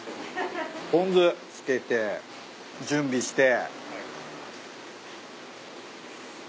ポン酢付けて準備して。